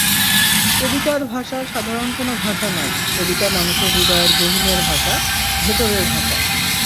কবিতার ভাষা সাধারণ কোনো ভাষা নয়, কবিতা মানুষের হৃদয়ের গহিনের ভাষা, ভেতরের ভাষা।